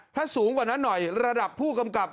ถ้าสูงกว่านั้นหน่อยระดับผู้กำกับ